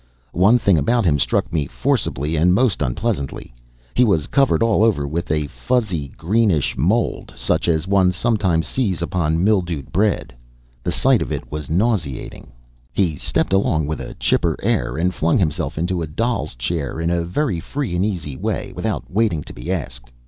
One thing about him struck me forcibly and most unpleasantly: he was covered all over with a fuzzy, greenish mold, such as one sometimes sees upon mildewed bread. The sight of it was nauseating. He stepped along with a chipper air, and flung himself into a doll's chair in a very free and easy way, without waiting to be asked.